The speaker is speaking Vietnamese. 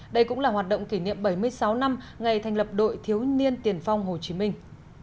đây cũng là hoạt động kỷ niệm bảy mươi sáu năm ngày thành lập đội thiếu niên tiền phong hồ chí minh